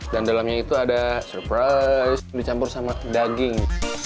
dan dalamnya itu ada surprise dicampur sama daging